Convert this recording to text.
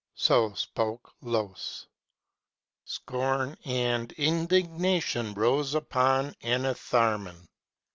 So spoke Los. Scorn and indignation rose upon Enitharmon.